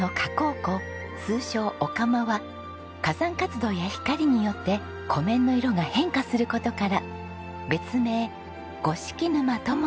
通称「御釜」は火山活動や光によって湖面の色が変化する事から別名「五色沼」とも呼ばれています。